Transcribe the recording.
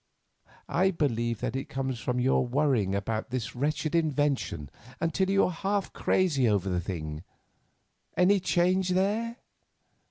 I believe that it comes from your worrying about this wretched invention until you are half crazy over the thing. Any change there?"